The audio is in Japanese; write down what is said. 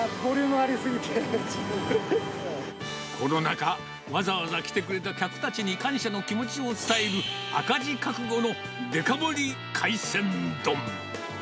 ただ、コロナ禍、わざわざ来てくれた客たちに感謝の気持ちを伝える、赤字覚悟のデカ盛り海鮮丼。